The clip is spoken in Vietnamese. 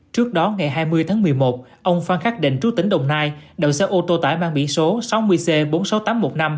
trước đó ngày hai mươi tháng một mươi một ông phan khắc định trú tỉnh đồng nai đậu xe ô tô tải mang biển số sáu mươi c bốn mươi sáu nghìn tám trăm một mươi năm